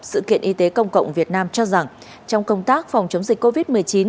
sự kiện y tế công cộng việt nam cho rằng trong công tác phòng chống dịch covid một mươi chín